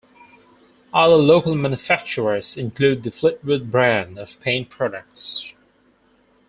Other local manufacturers include the Fleetwood brand of paint products.